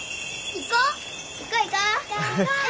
行こう行こう！